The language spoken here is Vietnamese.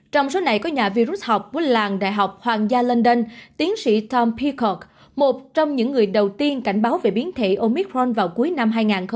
trong số này có nhà vi rút học của làng đại học hoàng gia london tiến sĩ tom peacock một trong những người đầu tiên cảnh báo về biến thể omicron vào cuối năm hai nghìn hai mươi một